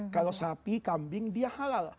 kalau sapi kambing dia halal